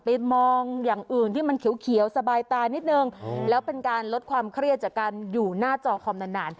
ไปมองอย่างอื่นที่มันเขียวสบายตานิดนึงแล้วเป็นการลดความเครียดจากการอยู่หน้าจอคอมนาน